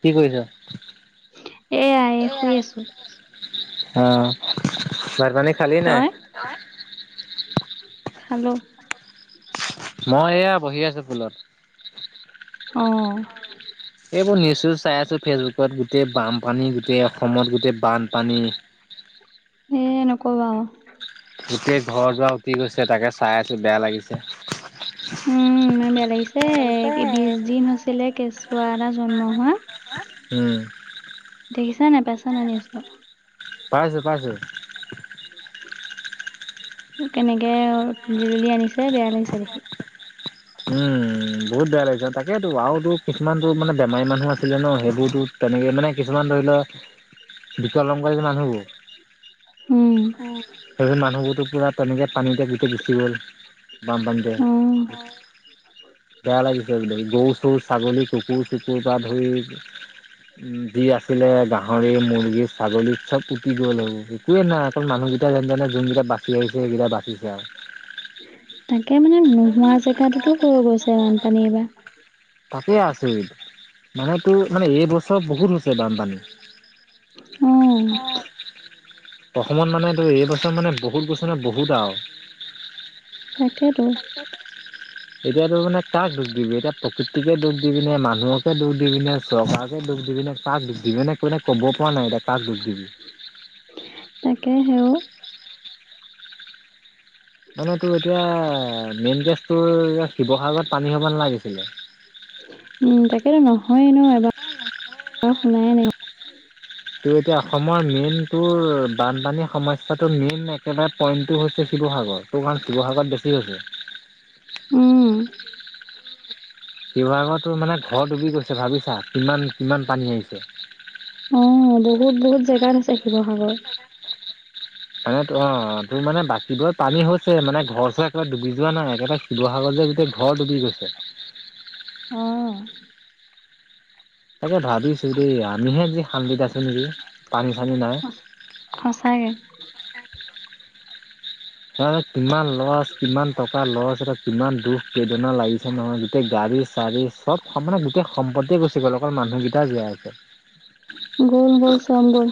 কি কৰিছ এয়া এ শুই আছো অ ভাত পানী খালি নাই তই খালো মই এয়া বহি আছো ফুলত অ এইবোৰ নিউজ চিউজ চাই আছো ফেচবুকত গোটেই বানপানী গোটেই অসমত গোটেই বানপানী এ নকবা আও গোটেই ঘৰ-দুৱাৰ উতি গৈছে তাকে চাই আছো বেয়া লাগিছে। উম ইমান বেয়া লাগিছে বিশ দিন হৈছিলে কেঁচুৱা এটা জন্ম হোৱা উম দেখিছা নাই পাইছা নে নাই নিউজটো পাইছো পাইছো কেনেকে তুলি তুলি আনিছে বেয়া লাগিছে দেখি উম বহুত বেয়া লাগিছে তাকেইেতো আৰুতো কিছুমানতো মানে বেমাৰী মানুহ আছিলে ন সেইবোৰতো তেনেকে মানে কিছুমান ধৰি লওক বিকলাংগ যে মানুহবোৰ উম সেইবোৰ মানুহবোৰতো পুৰা তেনেকে পানীতে গোটে গুচি গ'ল বানপানীতে অ অঁ বেয়া লাগিছে গোটে গৰু চৰু ছাগলী কুকুৰ চুকুৰ পৰা ধৰি উ যি আছিলে গাহৰি মুৰ্গী ছাগলী চব উতি গ'ল আৰু একোৱে নাই অকল মানুহকেইটা যেন তেনে যোনকেইটা বাচিছে সেইকেইটা বাচিছে আৰু তাকে মানে নোহোৱা জেগাাততো হৈ গৈছে বানপানী এইবাৰ তাতেই আছৰিত মানেটো এইবছৰ বহুত হৈছে বানপানী অ অসমত মানে এই এইবছৰ মানে বহুত বছৰত বহুত আও তাকেতো ক এতিয়াাতো মানে কাক দুখ দিবি এতিয়া প্ৰকৃতিকে দোখ দিবিনে মানুহকে দুখ দিবিনে চৰকাৰকে দুখ দিবি নে কাক দুখ দিবি নে কোনে ক'ব পৰা নাই এতিয়া কাক দুখ দিবি তাকেহে অও মানে তোৰ এতিয়া মেইন কেছ তোৰ শিৱসাগৰত পানী হব নালাগিছিলে উম, তাকেতো নহয়েই ন। এবাৰ শুনাইে নাই। তেনতে এতিয়া অসমৰ মেইনটো বানপানী সমস্যাটো মেইন একেবাৰে। পইন্টটো হৈছে শিৱসাগৰ, তাৰ কাৰণ শিৱসাগৰত বেছি হৈছে। উম। শিৱসাগৰ তো মানে ঘৰ ডুবি গৈছে ভাবিছা। কিমান- কিমান পানী আহিছে। অ, বহুত- বহুত জেগাত হৈছে শিৱসাগৰ। মানে ত, অ, তোৰ মানে বাকীবোৰৰ পানী হৈছে, মানে ঘৰ চৰ একেবাৰে ডুবি যোৱা নাই। একেবাৰে শিৱসাগৰ যে গোটেই ঘৰ ডুবি গৈছে। উম। তাকেই ভাবিছো দেই, আমিহে যি শান্তিত আছো নেকি? পানী- চানী নাই। অ সঁচাকে। হয়, কিমান লছ, কিমান টকা লছ। কিমান দুখ বেদনা লাগিছে নহয়। গোতেই গাড়ী- চাড়ী চব সমানে গোটেই। সম্পত্তি গুচি গ'ল। অকল মানুহকেইটা জীয়াই আছে। গ'ল গ'ল চব গ'ল।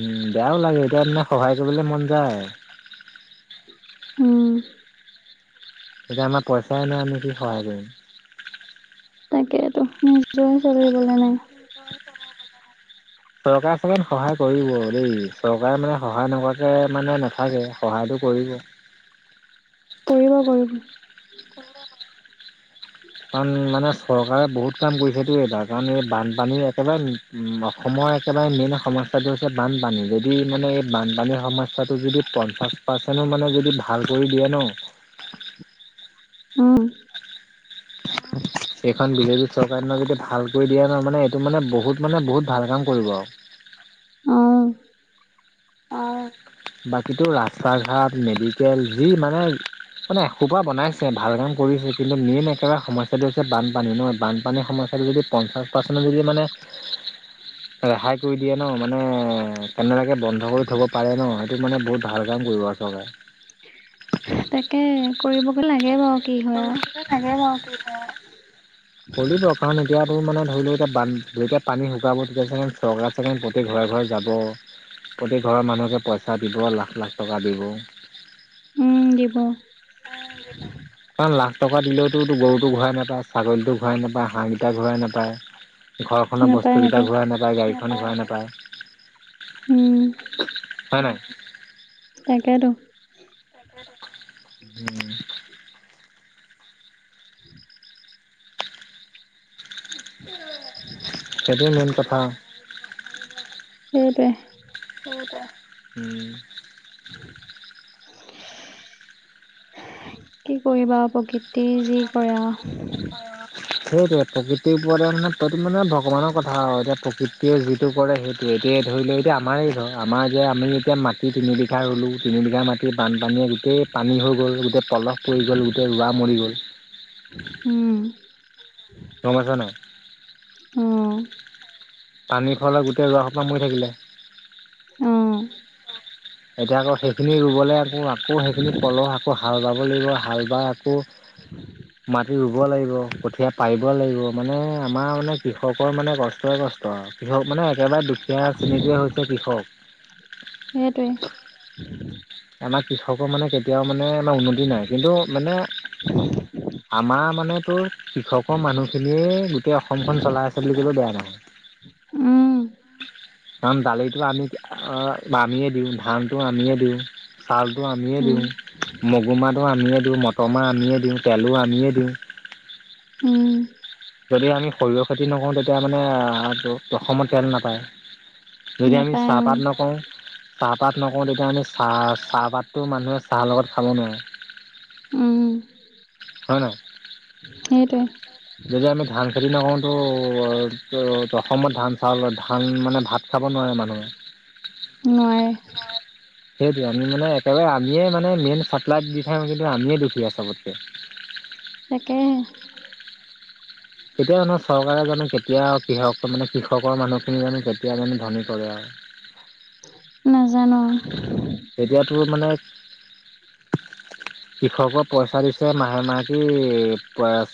উম, বেয়াও লাগে, এতিয়া তাকে সহায় কৰিবলে মন যায়। [inaudible] উম। কিন্তু এতিয়া আমাৰ পইচাই নাই, আমি কি সহায় কৰিম। তাকেইটো নিজৰ চলিবলে নাই। [unintelligible] চৰকাৰখনে মানে সহায় কৰিব দেই। চৰকাৰে মানে সহায় নকৰাকে মানে নাথাকে। সহায়টো কৰিব। কৰিব- কৰিব। কাৰণ মানে চৰকাৰে বহুত কাম কৰিছেটো। এইবাৰ কাৰণ এই বানপানী একেবাৰে উম, অসমৰ একেবাৰে মেইন সমস্যাটো হৈছে বানপানী। যদি মানে এই বানপানীৰ সমস্যাটো যদি পঞ্চাশ পাৰ্চেন্টৰ মানে যদি ভাল কৰি দিয়ে ন। উম। [unintelligible] সেইখন বিজেপি চৰকাৰে ন, যদি ভালকৈ দিয়া নহয় মানে, এইটো মানে বহুত, মানে বহুত ভাল কাম কৰিব আৰু। উম। বাকীতো ৰাস্তা- ঘাট, মেডিকেল যি মানে মানে এসোপা বনাইছে। ভাল কাম কৰিছে, কিন্তু মেইন একেবাৰে সমস্যা এইটো হৈছে, বানপানী নহয়, বানপানীৰ সমস্যাটো যদি পঞ্চাছ পাৰ্চেণ্টত যদি মানে ৰেহাই কৰি দিয়ে ন, মানে কেনে বাকে বন্ধ থ'ব পাৰে ন। সেইটো মানে বহুত ভাল কাম কৰিব আৰু চৰকাৰে। তাকে কৰিবগে লাগে বাৰু। কি হয় আৰু। কৰিব লাগে বাৰু, কৰিব কাৰণ এতিয়া মানে ধৰি লও এতিয়া, বান, এতিয়া পানী শুকাব তেতিয়া চ, চৰকাৰ চাগে গোটেই ঘৰে ঘৰে যাব। প্ৰতি ঘৰৰ মানুহকে পইচা দিব লাখ- লাখ টকা দিব। উম, দিব। [unintelligible] কাৰণ লাখ টকা দিলওতো, গৰুটো ঘূৰাই নাপায় ছাগলীটো ঘূৰাই নাপায়, হাঁহকেইটা ঘূৰাই নাপায়। ঘৰখনৰ বস্তুকেইটা ঘূৰাই নাপায়, গাড়ীখন ঘূৰাই নাপায়। উম হয় নহয়? তাকেইটো। [unintelligible] সেইটোয়ে মেইন কথা। সেইটোৱে। উম। কি কৰিবা প্ৰকৃতি [unintelligible] অ। সেইটোৱে প্ৰকৃতিৰ ওপৰতে মানে ভগৱানৰ কথা এতিয়া প্ৰকৃতিয়ে যিটো কৰে সেই এতিয়া ধৰি লওক এতিয়া আমাৰেই ঘৰ আমাৰ যে আমি এতিয়া মাটি [unintelligible] মাটি বানপানীয়ে গোটেই পানী হৈ গ'ল, গোটেই পলস পৰি গ'ল, গোটেই ৰোৱা মৰি গ'ল। উম। [unintelligible] অ। পানী খোৱালাই গোটেই ৰুৱা সোপাহ মৰি থাকিলে। উম। এতিয়া আকৌ সেইখিনি ৰুবলৈ আকৌ আকৌ সেইখিনি পলহ আকৌ হাল বাব লাগিব, হাল বাই আকৌ [inaudible] মাটি ৰুব লাগিব, কঠীয়া পাৰিব লাগিব, মানে আমাৰ মানে কৃষকৰ মানে কষ্টই কষ্ট আৰু। কৃষক মানে একেবাৰে দুখীয়া শ্ৰেণীটোৱে হৈছে কৃষক। সেইটোৱে। আমাৰ কৃষকৰ মানে কেতিয়াও মানে উন্নতি নাই, কিন্তু মানে আমাৰ মানে তোৰ কৃষকৰ মানুহখিনিয়ে গোটেই অসমখন চলাই আছে বুলি ক'লে বেয়া নহয়। উম। কাৰণ দালিটো আমি আমিয়ে দিওঁ, ধানটো আমিয়ে দিওঁ। চাউলটো আমিয়ে উম দিওঁ, মগু মাহটো আমিয়ে দিওঁ, মটৰ মাহ আমিয়ে দিওঁ, তেলো আমিয়ে দিওঁ। উম। যদি আমি সৰিয়হ খেতি নকৰোঁ, তেতিয়া মানে অসমত তেল নাপায়। যদি আমি নাপায় উম চাহপাত নকৰো চাহপাত নকৰো, তেতিয়া আমি চাহ চাহপাততটো মানুহে চাহৰ লগত খাব নোৱাৰে। উম। হয় ন! সেইটোৱে। যদি আমি ধান খেতি নকৰো, তো অ ত অসমত ধান চাউলৰ ধান মানে ভাত খাব নোৱাৰে মানে। নোৱাৰে [unintelligible] সেইটোৱে, আমি মানে একেবাৰে আমিয়ে মানে মেইন চাপ্লাই দি থাকোঁ কিন্তু আমিয়ে দুখীয়া চবতকে। তাকে। কেতিয়া মানে চৰকাৰে জানো কেতিয়া কৃষক মানে কৃষকৰ মানুহ খিনি জানো কেতিয়া মানে ধনী কৰে আৰু। [inaudible] নাজানো! তেতিয়াতো মানে কৃষক পইচা দিছে মাহে-মাহে কি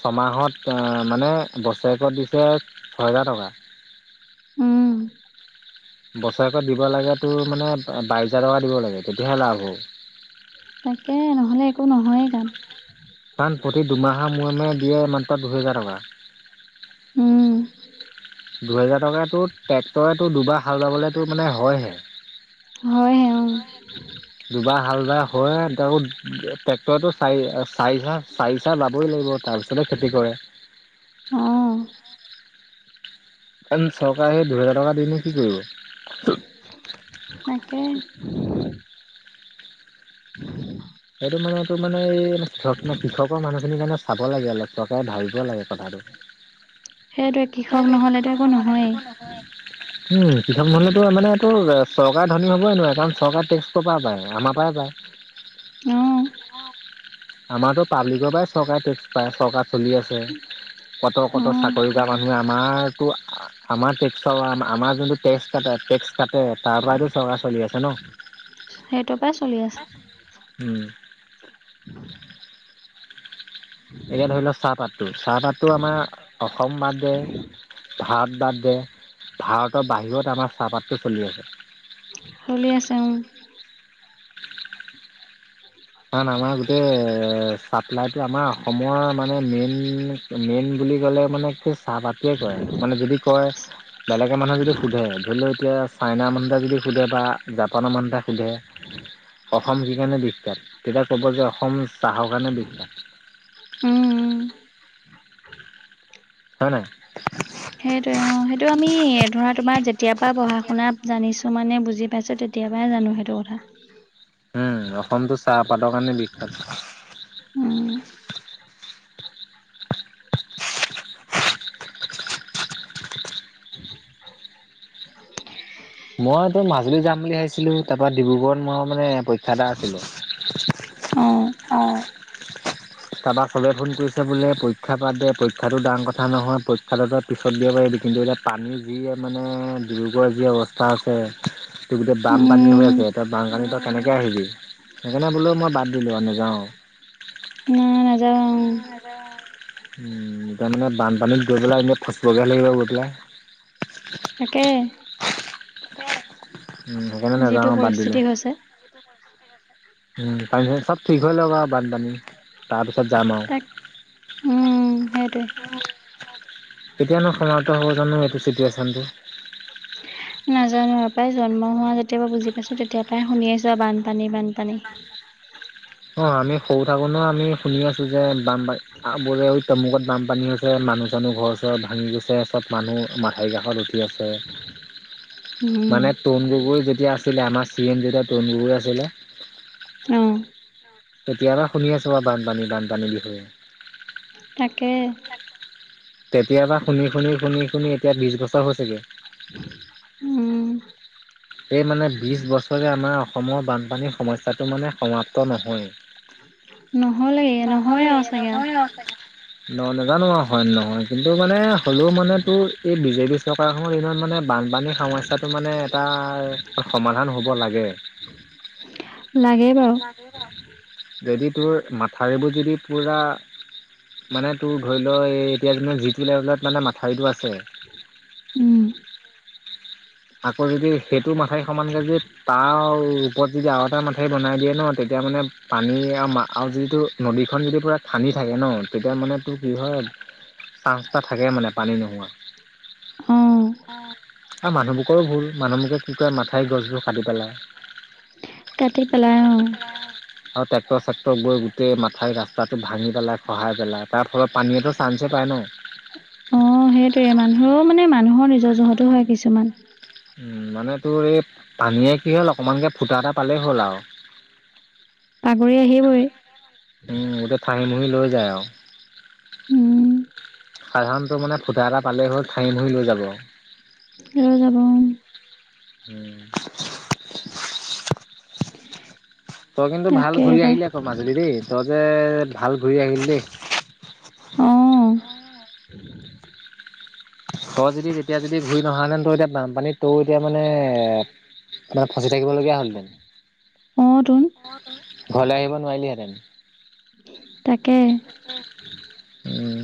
ছমাহত মানে বছৰেকত দিছে ছহেজাৰ টকা। উম। বছৰেকত দিব লাগে তোৰ মানে বাইছ হাজাৰ টকা দিব লাগে, তেতিয়াহে লাভ হ'ব। তাকে নহ'লে একো নহয়ে কাম। তাত প্ৰতি দুমাহৰ মূৰে মূৰে দিয়ে ই মাত্ৰ দুহেজাৰ টকা। উম দুহেজাৰ টকাটো ট্ৰেক্টৰে দুবাৰ হাল বাব'লে তোৰ মানে হয়হে। হয়হে অ'। দুবাৰ হাল বাই হয় তেওঁ টেক তইতো চাৰি চাৰি চাহ, চাৰি চাহ লাবই লাগিব তাৰপিছতে খেতি কৰে। অ'। কাৰন চৰকাৰে সেই দুহেজাৰ টকা দিনো কি কৰিব। তাকে। [inaudible] সেইটো মানে এই তোৰ মানে এই কৃষকৰ মানুহখিনিৰ কাৰণে চাব লাগে অলপ, চকাৰে ভাবিব লাগে কথাটো। সেইটোৱে কৃষক নহলেতো একো নহয়েই উম, কৃষক নহ'লেতো মানে এইটো চৰকাৰে ধনী হ'বই নোৱাৰে কাৰণ চৰকাৰ টেক্স ক'ৰ পৰা পায়, আমাৰ পৰাই পায়। অ আমাৰতো পাব্লিকৰ পৰাই চৰকাৰে টেক্স পায় চৰকাৰ চলি আছে, কট অ কট চাকৰি কৰা মানুহে আমাৰতো আমাৰ টেক্সৰ আমাৰ যোনটো টেক্স কাটে তাৰ পৰাইতো চৰকাৰ চলি আছে ন'। সেইটোৰ পৰাই চলি আছে। উম। [inaudible] এতিয়া ধৰি লও চাহপাটো, চাহপাতটো আমাৰ অসম বাদে ভাৰত বাদ দে, ভাৰতৰ বাহিৰত আমাৰ চাহপাতটো চলি আছে। চলি আছে উম। কাৰণ আমাৰ গোটেই চাপ্লাইটো আমাৰ অসমৰ মানে মেইন মেইন বুলি ক'লে মানে সেই চাহপাতটোৱে কয়, মানে যদি কয় বেলেগে মানুহে যদি সুধে ধৰি লও এতিয়া চাইনা মানুহ যদি সোধে বা জাপানৰ মানুহে সোধে অসম কি কাৰণে বিখ্যাত তেতিয়া ক'ব যে অসম চাহৰ কাৰণে বিখ্যাত। উম, উ। হয় নাই? সেইটোৱে অ', সেইটো আমি ধৰা তোমাৰ যেতিয়াৰ পঢ়া শুনাত জানিছোঁ মানে বুজি পাইছোঁ তে কেতিয়াবাই জানো সেইটো কথা। [inaudible] উম, অসমতো চাহপাতৰ কাৰণে বিখ্যাত। উম। [inaudible] মইতো মাজুলী যাম বুলি ভাবিছিলোঁ, তাৰ পৰা ডিব্ৰুগড়ত মই মানে পৰীক্ষা এটা আছিলে। অ'। অ'। তাৰপা চবে ফোন কৰিছে বোলে পৰীক্ষা বাদ দে, পৰীক্ষাটো ডাঙৰ কথা নহয়, পৰীক্ষাটো তই পিছত দিব পাৰিবি কিন্তু এইয়া পানীৰ যিয়ে মানে ডিব্ৰুগড় যি অৱস্থা হৈছে। ত' গোটেই বানপানী হৈ উম আছে, তই বানপানী তই কেনেকে আহিবি সেইকাৰণে বুলো মই বাদ দিলোঁ আৰু নেযাওঁ। নাই নাযাওঁ অ'। উম, এতিয়া মানে বানপানীত গৈ পেলাই এনে ফচিবহে লাগিব গৈ এতিয়া। তাকে। সেইকাৰণে যিটো নাযাওঁ বাদ দিলো। পৰিস্থিতি হৈছে উম পানী চব ঠিক হৈ লওক আৰু বানপানী তাৰপিছত যাম আৰু। তাক উম সেইটোৱে কেতিয়ানো সমাপ্ত হ'ব জানো এইটো চিটুৱেচনটো। নাজানো আৰু পায় জন্ম হোৱা যেতিয়া পৰা বুজি পাইছো তেতিয়া পৰাই শুনি আছো আৰু বানপানী বানপানী। অ' আমি সৰু থাকো নো আমি শুনি আছো যে বানপানী বোলে তমুকত বানপানী হৈছে। মানুহ চানুহ ঘৰ চৰ ভাঙি গৈছে চব মানুহ মথাউৰিৰ কাষত আছে উম। মানে তৰুণ গগৈ যেতিয়া আছিলে আমাৰ চি এম যেতিয়া তৰুণ গগৈ আছিলে অ'। তেতিয়াৰপৰা শুনি আছো মই বানপানী বানপানী বুলি। তাকে। তেতিয়াৰ পৰা শুনি শুনি শুনি শুনি এতিয়া বিশ বছৰ হৈছেগে। উম। সে মানে বিশ বছৰে আমাৰ অসমৰ বানপানীৰ সমস্যাটো মানে সমাপ্ত নহ'লেগে নহয়য়েই। নহয় নহ'লেই, আৰু চাগে নহয়ে আৰু চাগে ন নাজানো হয় নহয় কিন্তু মানে হ'লেও মানে তোৰ এই বিজেপি চৰকাৰখনৰ দিনত মানে বানপানীৰ সমস্যাটো মানে এটা সমাধান হ'ব লাগে লাগে বাৰু লা যদি তোৰ মাথাউৰিবোৰ যদি পূৰা মানে তোৰ ধৰি লো এতিয়া যিটো লেভেলত মানে মাটি মথাউৰিটো আছে উম। আকৌ যদি সেইটো মাথাই সমানকে যে তাৰ ওপৰত যদি আৰু এটা ম মথাউৰি বনাই দিয়ে ন তেতিয়া মানে পানী আৰু আৰু যিটো নদীখন যদি পূৰা খানি থাকে ন তেতিয়া মানে তোৰ কি হয় চান্স এটা থাকে মানে পানী নোহোৱা। অ আৰু মানুহবোকৰো ভুল মানুহবোকে কি কৰে মাথাউৰিৰ গছবোৰ কাটি পেলায়। কাটি পেলাই অ'। আৰু ট্ৰেক্টৰ, চেক্টৰ গৈ গোটেই মাথাউৰি ৰাস্তাটো ভাঙি পেলাই খহাই পেলাই তাৰ ফলত পানীয়েতো চান্ঞ্চেই পায় ন। অ' সেইটোৱেই মানুহেও মানে মানুহৰ নিজৰ জহতো হয় কিছুমান। উম মানে তোৰ এই পানীয়ে কি হ'ল অকমানকে ফুটা এটা পালেই হ'ল আৰু। [inaudible] বাগৰি আহিবই। উম গোটেই ঠাহি মুহি লৈ যায় আৰু। উম। সাধাৰণ টোৰ মানে ফুটা এটা পালেই হ'ল ধাহি মুহি লৈ যাব। [unintelligible] উম। তই কিন্তু ভাল তাকে ঘূৰি পাই আহিলি আকৌ মাজুলী দেই, তই যে ভাল ঘূৰি আহিলি দেই। অ তই যদি তেতিয়া যদি ঘূৰি নহা হেতেন, তই এতিয়া বানপানীত তই এতিয়া মানে তাত ফচি থাকিবলীয়া হ'ল হেতেন। অ' তোন। ঘৰলৈ আহিব নোৱাৰিলিহেঁতেন। তাকে। উম।